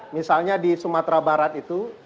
misalnya di sumatera barat itu